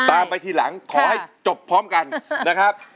ตามไปทีหลังขอให้จบพร้อมกันนะครับ